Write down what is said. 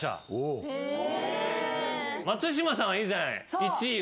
松嶋さんは以前１位を。